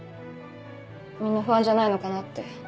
みんな不安じゃないのかなって。